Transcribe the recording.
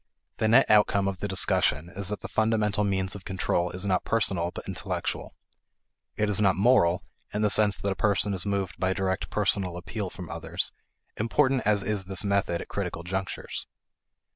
The net outcome of the discussion is that the fundamental means of control is not personal but intellectual. It is not "moral" in the sense that a person is moved by direct personal appeal from others, important as is this method at critical junctures.